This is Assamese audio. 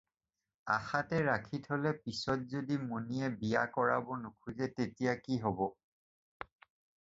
আশাতে ৰাখি থ'লে পিচত যদি মণিয়ে বিয়া কৰাব নোখোজে তেতিয়া কি হ'ব!